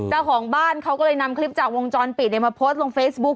เจ้าของบ้านเขาก็เลยนำคลิปจากวงจรปิดมาโพสต์ลงเฟซบุ๊ค